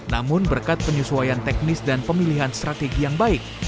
namun berkat penyesuaian teknis dan pemilihan strategi yang baik